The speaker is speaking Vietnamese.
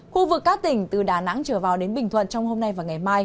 khu vực các tỉnh từ đà nẵng trở vào đến bình thuận trong hôm nay và ngày mai